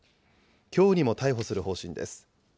きょうにも逮捕する方針です。